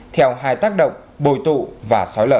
theo hai tác động bồi tụ và sói lở